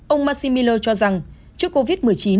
ông maxi miller cho rằng trước covid một mươi chín